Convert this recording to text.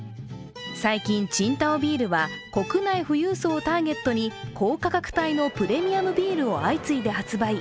最近、青島ビールは国内富裕層をターゲットに高価格帯のプレミアムビールを相次いで発売。